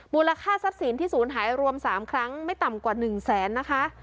มูลค่าทรัพย์ศิลป์ที่สูญหายรวมสามครั้งไม่ต่ำกว่าหนึ่งแสนนะคะ